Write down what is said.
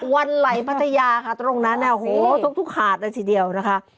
วันไหลพัทยาค่ะตรงนั้นเนี่ยโอ้โหทุกหาดเลยทีเดียวนะคะ